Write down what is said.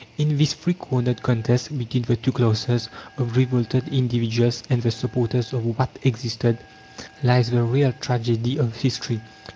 In this three cornered contest, between the two classes of revolted individuals and the supporters of what existed, lies the real tragedy of history.